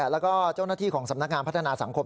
แล้วก็เจ้าหน้าที่ของสำนักงานพัฒนาสังคม